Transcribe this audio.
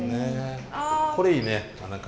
これいいね何か。